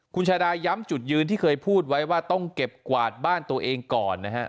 คุณชาดาย้ำจุดยืนที่เคยพูดไว้ว่าต้องเก็บกวาดบ้านตัวเองก่อนนะฮะ